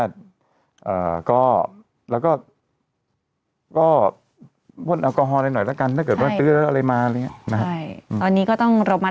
ตอบดูเขาอันทีหนึ่ง